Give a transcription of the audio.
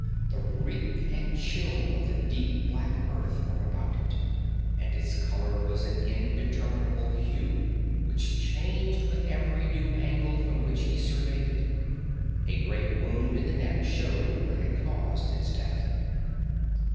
The reek and chill of the deep black earth were about it, and its color was an indeterminable hue which changed with each new angle from which he surveyed it. A great wound in the neck showed what had caused its death.